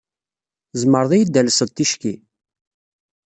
Tzemreḍ ad iyi-d-talseḍ ticki?